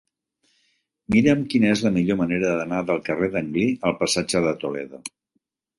Mira'm quina és la millor manera d'anar del carrer d'Anglí al passatge de Toledo.